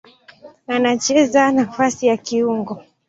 Anacheza nafasi ya kiungo.